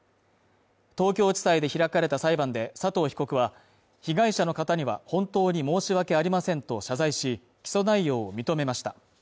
東京地裁で開かれた裁判で佐藤被告は被害者の方には本当に申し訳ありませんと謝罪し、起訴内容を認めました。